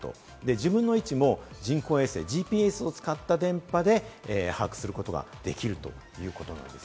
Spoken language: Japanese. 自分の位置も人工衛星、ＧＰＳを使った電波で把握することができるということなんです。